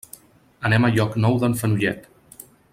Anem a Llocnou d'en Fenollet.